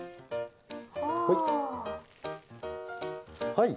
はい。